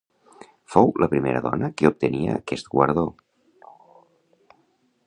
Fou la primera dona que obtenia aquest guardó.